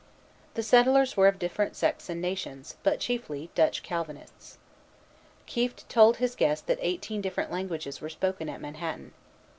The settlers were of different sects and nations, but chiefly Dutch Calvinists. Kieft told his guest that eighteen different languages were spoken at Manhattan.